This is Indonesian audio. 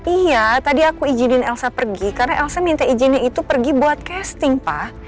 iya tadi aku izinin elsa pergi karena elsa minta izinnya itu pergi buat casting pak